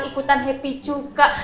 ikutan happy juga